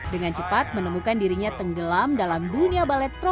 dengan cepat menemukan dirinya tenggelam dalam dunia balet